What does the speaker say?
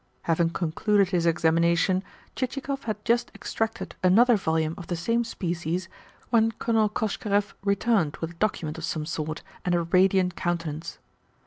Having concluded his examination, Chichikov had just extracted another volume of the same species when Colonel Koshkarev returned with a document of some sort and a radiant countenance.